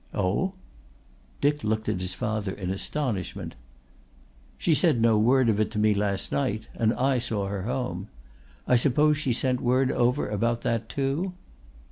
"Oh!" Dick looked at his father in astonishment. "She said no word of it to me last night and I saw her home. I suppose she sent word over about that too?"